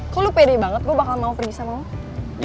kok lu pede banget gue bakal mau pergi sama mama